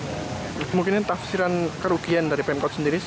kemungkinan tafsiran kerugian dari pemkot sendiri